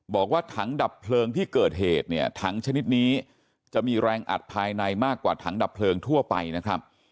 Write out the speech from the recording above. บอกว่าถังดับเพลิงที่เกิดเหตุเนี่ยถังชนิดนี้จะมีแรงอัดภายในมากกว่าถังดับเพลิงทั่วไปนะครับ